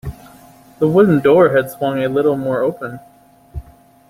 The wooden door had swung a little more open.